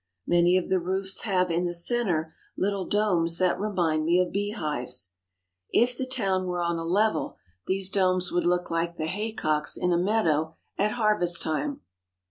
Many of the roofs have in the centre little domes that remind me of beehives. If the town were on a level these 37 THE HOLY LAND AND SYRIA domes would look like the haycocks in a meadow at harvest time.